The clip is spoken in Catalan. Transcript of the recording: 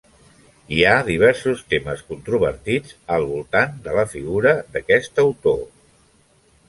Hi ha diversos temes controvertits al voltant de la figura d'aquest autor.